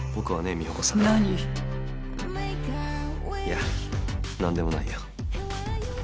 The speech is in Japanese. いや何でもないよ。